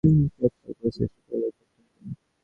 কিয়ৎ কাল পরে শ্রেষ্ঠী পরলোক প্রাপ্ত হইলেন।